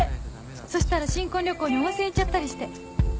そしたら新婚旅行に温泉行っちゃったりして